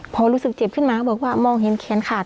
พอรู้สึกเจ็บขึ้นมาก็บอกว่ามองเห็นแขนขาด